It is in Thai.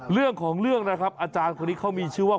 เรื่องของเรื่องนะครับอาจารย์คนนี้เขามีชื่อว่า